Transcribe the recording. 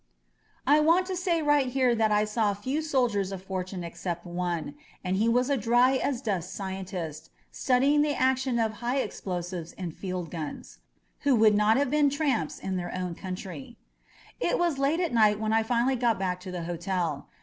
I want to say right here that I saw few soldiers of fortune except one — and he was a dry as dust scientist studying the action of high explosives in field guns — who would not have been tramps in their own country. It was late night when I finally got back to the hotel.